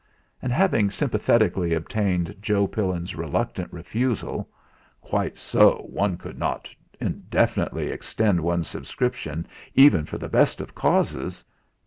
And having sympathetically obtained Joe Pillin's reluctant refusal Quite so! One could not indefinitely extend one's subscriptions even for the best of causes!